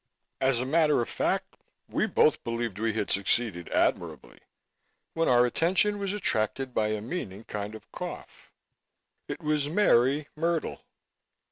As a matter of fact, we both believed we had succeeded admirably when our attention was attracted by a meaning kind of cough. It was Mary Myrtle.